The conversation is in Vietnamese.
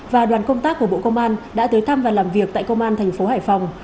và đoàn công tác của bộ công an đã tới thăm và làm việc tại công an thành phố hải phòng